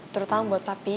terutama buat papi